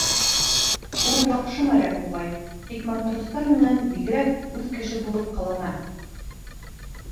Ул яҡшы моряк, буғай, тик матростар менән бигерәк үҙ кеше булып ҡылана.